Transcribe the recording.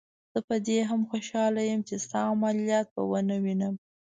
زه په دې هم خوشحاله یم چې ستا عملیات به ونه وینم.